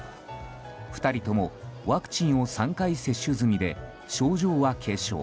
２人ともワクチンを３回接種済みで、症状は軽症。